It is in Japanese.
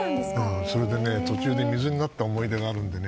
それで、途中で水になった思い出があるんでね。